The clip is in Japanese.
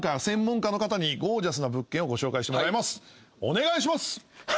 お願いします！